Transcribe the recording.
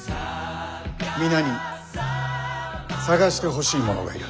皆に捜してほしい者がいる。